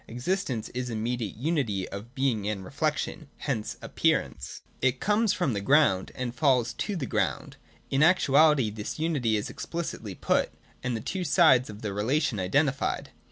Existence is im mediate unity of being and reflection; hence appearance: VOL. II. s 258 THE DOCTRINE OF ESSENCE. [142 it comes from the ground, and falls to the ground. In actuality this unity is explicitly put, and the two sides of the relation identified.